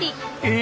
え！